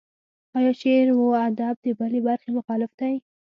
ایا شعر و ادب د بلې برخې مخالف دی.